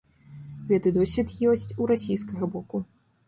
Гэты досвед ёсць у расійскага боку.